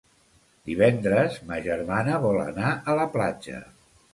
Divendres ma germana vol anar a la platja.